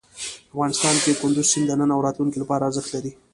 افغانستان کې کندز سیند د نن او راتلونکي لپاره ارزښت لري.